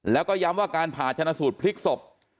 แล้วก็ย้ำว่าการผ่าชนะสูตรพลิกศพ